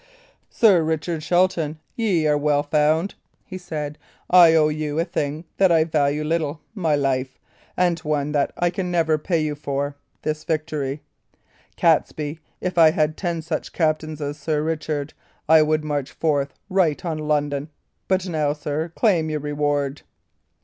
"Sir Richard Shelton, ye are well found," he said. "I owe you one thing that I value little, my life; and one that I can never pay you for, this victory. Catesby, if I had ten such captains as Sir Richard, I would march forthright on London. But now, sir, claim your reward."